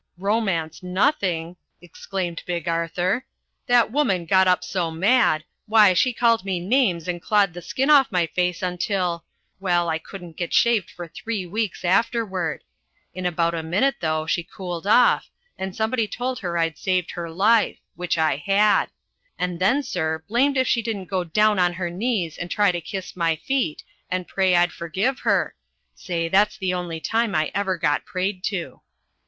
"Romance nothing!" exclaimed Big Arthur. "That woman got up so mad why, she called me names and clawed the skin off my face until well, I couldn't get shaved for three weeks afterward. In about a minute, though, she cooled off, and somebody told her I'd saved her life which I had and then, sir, blamed if she didn't go down on her knees and try to kiss my feet, and pray I'd forgive her. Say, that's the only time I ever got prayed to."